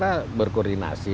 saya kira berkoordinasi